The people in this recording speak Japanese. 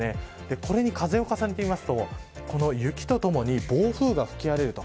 これに風を重ねると雪とともに、暴風が吹き荒れる。